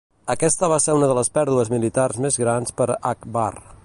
Aquesta va ser una de les pèrdues militars més grans per a Akbar.